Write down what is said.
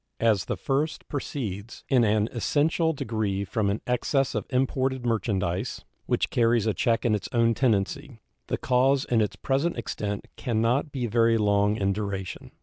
As the first proceeds in an essential degree from an excess of imported merchandise, which carries a check in its own tendency, the cause in its present extent can not be very long in duration.